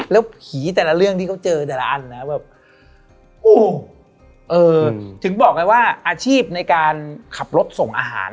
แล้วผีแต่ละเรื่องที่เขาเจอแต่ละอันนะแบบโอ้โหถึงบอกไงว่าอาชีพในการขับรถส่งอาหาร